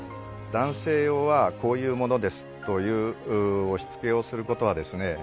男性用はこういう物ですという押し付けをすることはですね